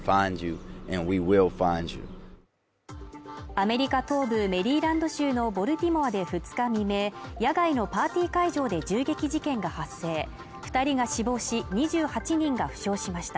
アメリカ東部メリーランド州のボルティモアで２日未明、野外のパーティー会場で銃撃事件が発生、２人が死亡し、２８人が負傷しました。